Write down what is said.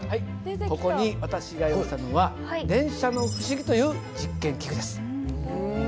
ここに私が用意したのは「電車のふしぎ」という実験器具です。